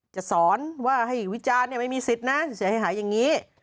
จะสอนว่าให้วิจารณ์ไม่มีสิทธิ์นะเสียหายอย่างนี้